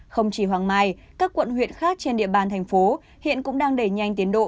không chỉ hoàng mai các quận huyện khác trên địa bàn thành phố hiện cũng đang đẩy nhanh tiến độ